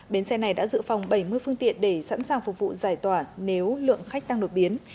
bến xe này đã dự phòng bảy mươi phương tiện để sẵn sàng phục vụ giải tỏa nếu lượng khách tăng đột biến